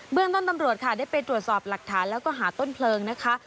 เมืองต้นตำรวจค่ะได้ไปตรวจสอบหลักฐานแล้วก็หาต้นเพลิงนะคะ